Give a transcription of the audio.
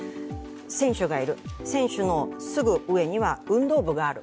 選手がいる、選手のすぐ上には運動部がある。